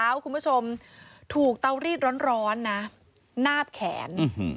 สำหรับคุณผู้ชมถูกต้าวรีดร้อนนะคะนาบแขน